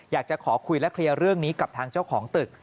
อยากจะขอคุยและเคลียร์เรื่องนี้กับทางเจ้าของตึก